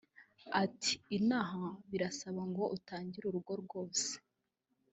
Ati“Ino aha birasaba ngo utangire urugo rwose